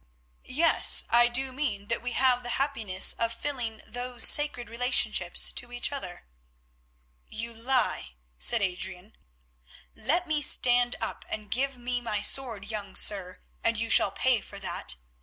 "Yes, I do mean that we have the happiness of filling those sacred relationships to each other." "You lie," said Adrian. "Let me stand up and give me my sword, young sir, and you shall pay for that.